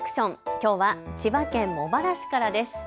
きょうは千葉県茂原市からです。